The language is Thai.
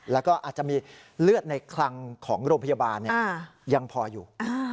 แล้วก็อาจจะมีเลือดในคลังของโรงพยาบาลยังพออยู่